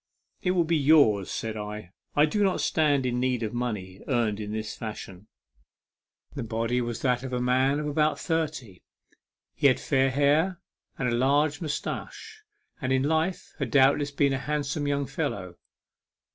" It will be yours," said I. " I do not stand in need of money earned in this fashion." 56 A MEMORABLE SWIM. The body was that of a man of about thirty. He had fair hair and a large moustache, and in life had doubtless been a handsome young fellow.